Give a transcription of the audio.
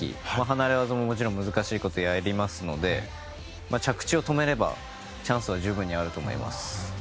離れ技も難しいことをやりますので着地を止めればチャンスは十分にあると思います。